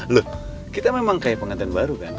loh kita memang kayak pengantin baru kan